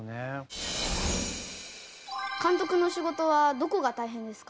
監督の仕事はどこが大変ですか？